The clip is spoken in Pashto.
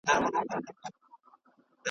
ما اورېدلی قحط الرجال دی .